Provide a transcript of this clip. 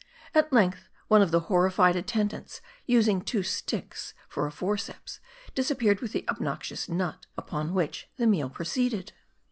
At length, one of the horrified attendants, using two sticks for a forceps, disappeared with the obnoxious nut, Upon which, the meal proceeded.